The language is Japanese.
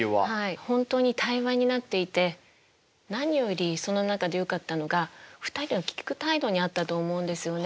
本当に対話になっていて何よりその中でよかったのが２人は聞く態度にあったと思うんですよね。